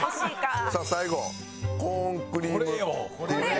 さあ最後コーンクリームＴＫＧ。